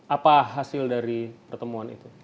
apa hasil dari pertemuan itu